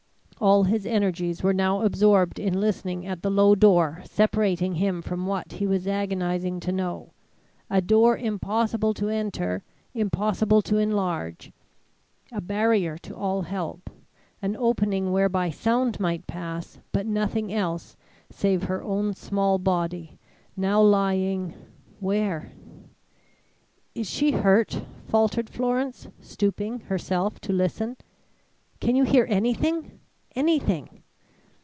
All his energies were now absorbed in listening at the low door separating him from what he was agonizing to know a door impossible to enter, impossible to enlarge a barrier to all help an opening whereby sound might pass but nothing else save her own small body, now lying where? "Is she hurt?" faltered Florence, stooping, herself, to listen. "Can you hear anything anything?"